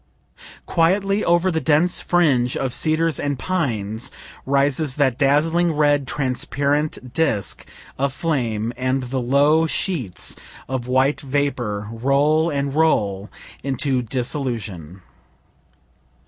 Quietly over the dense fringe of cedars and pines rises that dazzling, red, transparent disk of flame, and the low sheets of white vapor roll and roll into dissolution.